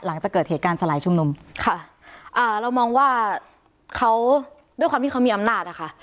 หลังจากเกิดเหตุการณ์สลายชุมนุมค่ะอ่าเรามองว่าเขาด้วยความที่เขามีอำนาจอะค่ะ